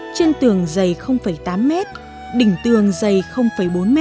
trên tường dày tám m đỉnh tường dày bốn m